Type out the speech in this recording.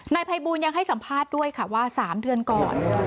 นายภัยบูลยังให้สัมภาษณ์ด้วยค่ะว่า๓เดือนก่อน